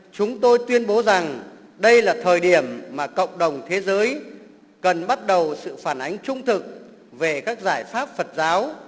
chúng tôi tuyên bố rằng đây là thời điểm mà cộng đồng thế giới cần bắt đầu sự phản ánh trung thực về các giải pháp phật giáo